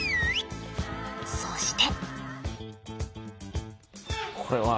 そして！